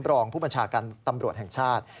รองผู้บัญชาการตำรวจแห่งชาติ